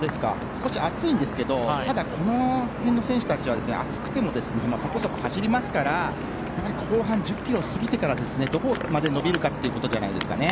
少し暑いんですがこの辺の選手たちは暑くてもそこそこ走りますから後半、１０ｋｍ過ぎてからどこまで伸びるかじゃないですかね。